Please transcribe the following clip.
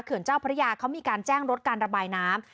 เจ้าพระยาเขามีการแจ้งลดการระบายน้ำ